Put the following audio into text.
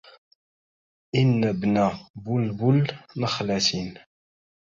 إن ابن بلبل نخلة